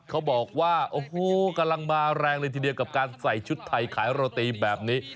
เขาบอกว่าโอ้โหกำลังมาแรงเลยทีเดียวกับการใส่ชุดไทยขายโรตีแบบนี้